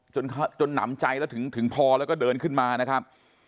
จนหนำใจแล้วถึงพอแล้วก็เดินขึ้นมานะครับ